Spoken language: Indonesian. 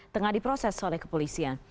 tengah diproses oleh kepolisian